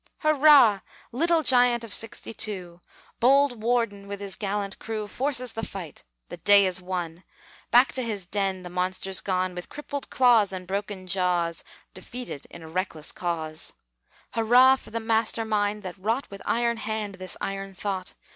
Hurrah! little giant of '62! Bold Worden with his gallant crew Forces the fight; the day is won; Back to his den the monster's gone With crippled claws and broken jaws, Defeated in a reckless cause. Hurrah for the master mind that wrought, With iron hand, this iron thought!